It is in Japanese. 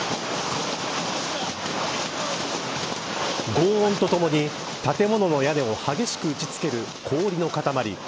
ごう音とともに、建物の屋根を激しく打ち付ける氷の塊。